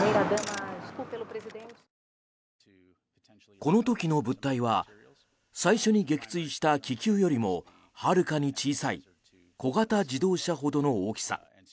この時の物体は最初に撃墜した気球よりもはるかに小さい小型自動車ほどの大きさ。